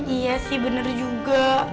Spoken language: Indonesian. iya sih bener juga